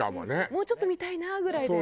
もうちょっと見たいなぐらいで。